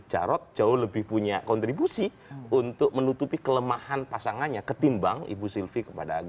jarok jauh lebih punya kontribusi untuk menutupi kelemahan pasangannya ketimbang ibu sirvi kepada